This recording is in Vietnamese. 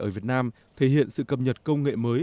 ở việt nam thể hiện sự cập nhật công nghệ mới